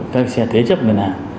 các xe thế chấp ngân hàng